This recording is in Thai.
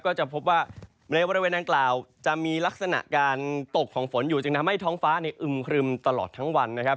ก็จะพบว่าในบริเวณดังกล่าวจะมีลักษณะการตกของฝนอยู่จึงทำให้ท้องฟ้าอึมครึมตลอดทั้งวันนะครับ